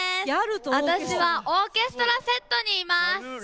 私はオーケストラセットにいます。